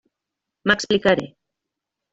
M'explicaré.